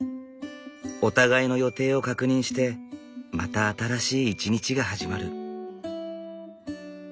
お互いの予定を確認してまた新しい一日が始まる。